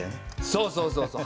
そうそうそうそう。